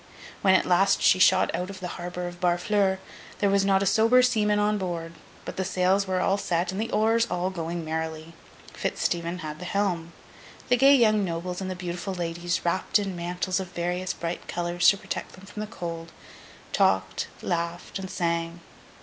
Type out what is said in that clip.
When, at last, she shot out of the harbour of Barfleur, there was not a sober seaman on board. But the sails were all set, and the oars all going merrily. Fitz Stephen had the helm. The gay young nobles and the beautiful ladies, wrapped in mantles of various bright colours to protect them from the cold, talked, laughed, and sang.